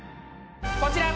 こちら！